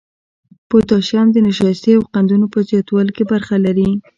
پوتاشیم د نشایستې او قندونو په زیاتوالي کې برخه لري.